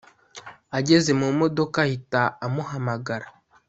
ageze mu modoka ahita amuhamagara